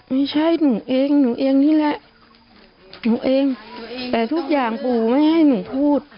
ไม่ใช่หนูเองหนูเองนี่แหละหนูเองแต่ทุกอย่างปู่ไม่ให้หนูพูด